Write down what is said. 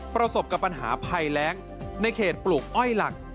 ประสบกับปัญหาภัยแรงในเขตปลูกอ้อยหลัก